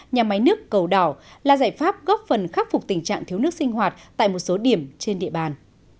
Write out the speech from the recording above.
nhà máy nước cầu đỏ là giải pháp góp phần khắc phục tình trạng thiếu nước sinh hoạt tại một số điểm trên địa bàn